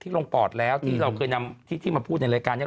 ถึงโรงพลอตแล้วที่เราเคยนำที่ที่มาพูดในรายการนะ